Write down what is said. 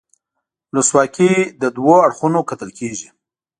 ولسواکي له دوو اړخونو کتل کیږي.